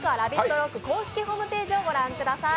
ＲＯＣＫ公式ホームページをご覧ください。